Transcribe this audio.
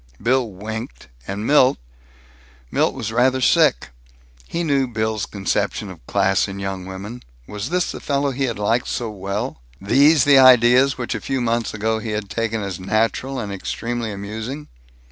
Bill winked, and Milt Milt was rather sick. He knew Bill's conception of class in young women. Was this the fellow he had liked so well? These the ideas which a few months ago he had taken as natural and extremely amusing?